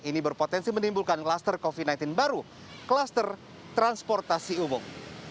ini berpotensi menimbulkan kluster covid sembilan belas baru kluster transportasi umum